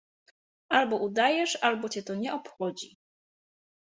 » Albo udajesz, albo cię to nie obchodzi.